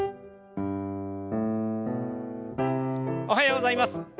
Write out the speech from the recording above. おはようございます。